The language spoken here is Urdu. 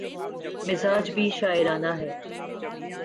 مزاج بھی شاعرانہ ہے۔